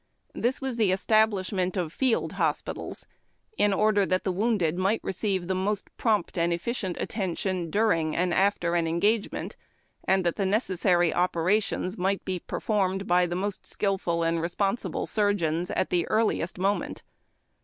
This was the establisiiraent of Field Hospitals, "in order that the wounded might receive the most prompt and efficient attention during and after an engagement, and that the necessary operations might be performed by the most skilful and responsible surgeons, at the earliest moment."